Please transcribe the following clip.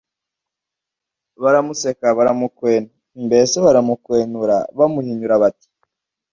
baramuseka baramukwena, mbese baramukwenura bamuhinyura; bati: